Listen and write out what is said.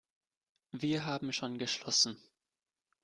Wir haben schon geschlossen.